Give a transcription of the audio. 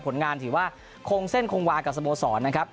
ผลงานถือว่าคงเส้นคงวากับสโมสรนะครับ